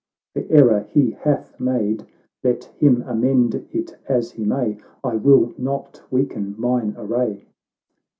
The error he hath made, Let him amend it as he may ; I will not weaken mine array."